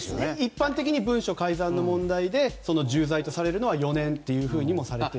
一般的に文書改ざんの問題で重罪とされるのは４年ともされていて。